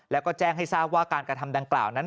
แล้วก็แจ้งให้ทราบว่าการกระทำดังกล่าวนั้น